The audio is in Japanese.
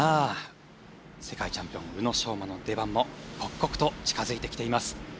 世界チャンピオン宇野昌磨の出番も刻々と近づいてきています。